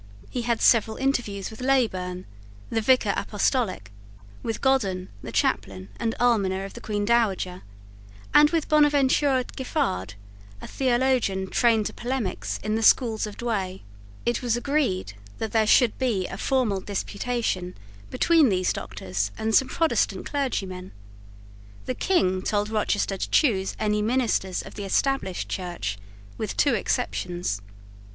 He had several interviews with Leyburn, the Vicar Apostolic, with Godden, the chaplain and almoner of the Queen Dowager, and with Bonaventure Giffard, a theologian trained to polemics in the schools of Douay. It was agreed that there should be a formal disputation between these doctors and some Protestant clergymen. The King told Rochester to choose any ministers of the Established Church, with two exceptions.